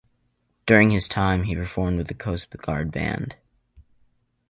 During this time, he performed with the Coast Guard band.